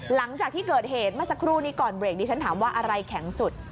หลังจากที่เกิดเหตุเมื่อสักครู่นี้ก่อนเบรกนี้ฉันถามว่าอะไรแข็งสุด